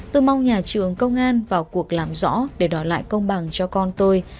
tôi mong nhà trường công an vào cuộc làm rõ để đòi lại công bằng cho con tôi